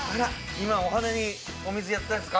今お花にお水やってたんですか？